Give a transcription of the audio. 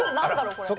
これ。